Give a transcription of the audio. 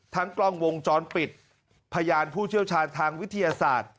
กล้องวงจรปิดพยานผู้เชี่ยวชาญทางวิทยาศาสตร์